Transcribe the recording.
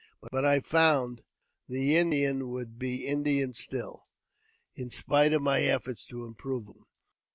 But I found the Indian would be Indian still, in ; spite of my efforts to improve him.